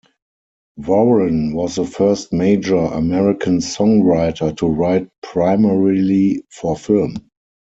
Warren was the first major American songwriter to write primarily for film.